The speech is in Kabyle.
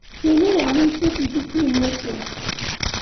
Yiwen ur iɛlim s wass n tisin n Yasuɛ.